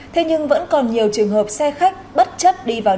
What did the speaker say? thế nhưng vẫn còn nhiều trường hợp xe khách bất chấp đi vào